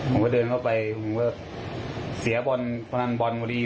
ผมก็เดินเข้าไปเสียพนันบอลกว่าดี